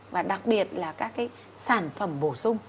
và đặc biệt là các cái sản phẩm bổ sung